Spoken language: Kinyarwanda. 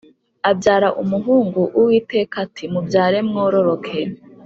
Abyara umuhungu uwiteka ati “mubyare mwororoke”